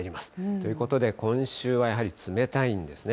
ということで、今週はやはり冷たいんですね。